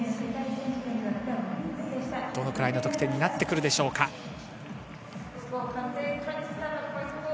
どのくらいの得点になってくるでしょうか。２７．４００。